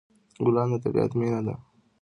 ګلان د طبیعت مینه ده.